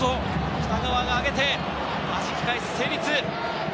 北川が上げて、弾き返す成立。